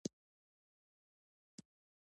زموږ میوې د دوی په دسترخان دي.